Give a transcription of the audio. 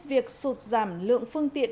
việc sụt giảm lượng phương tiện